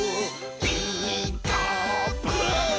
「ピーカーブ！」